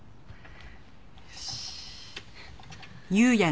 よし。